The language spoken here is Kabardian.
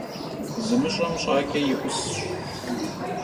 Zımış'em ş'aç'e yi 'usş.